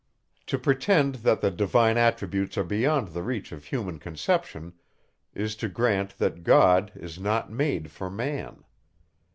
To pretend, that the divine attributes are beyond the reach of human conception, is to grant, that God is not made for man.